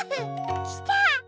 きた！